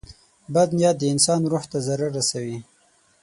• بد نیت د انسان روح ته ضرر رسوي.